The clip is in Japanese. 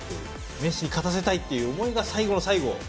メッシに勝たせたいという思いが最後の最後